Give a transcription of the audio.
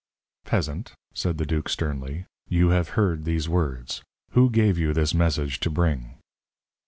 "Peasant," said the duke, sternly, "you have heard these words. Who gave you this message to bring?"